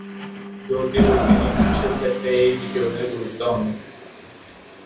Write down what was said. জ্যোতির্বৈজ্ঞানিক উৎসের ক্ষেত্রে এই বিকিরণের গুরুত্ব অনেক।